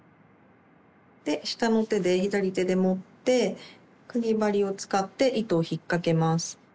で下の手で左手で持ってかぎ針を使って糸を引っ掛けます。